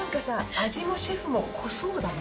味もシェフも濃そうだね。